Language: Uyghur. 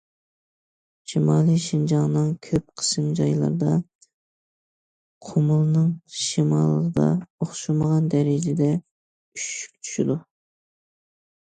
شىمالىي شىنجاڭنىڭ كۆپ قىسىم جايلىرىدا، قۇمۇلنىڭ شىمالىدا ئوخشىمىغان دەرىجىدە ئۈششۈك چۈشىدۇ.